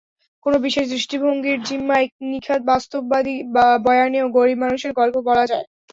কোনো বিশেষ দৃষ্টিভঙ্গির জিম্মায় নিখাদ বাস্তববাদী বয়ানেও গরিব মানুষের গল্প বলা যায়।